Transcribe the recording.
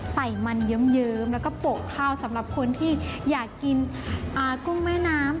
ใส่มันเยิ้มแล้วก็โปะข้าวสำหรับคนที่อยากกินกุ้งแม่น้ำ